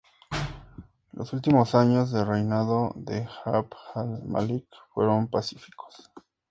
Los últimos años de reinado de Abd al-Málik fueron pacíficos.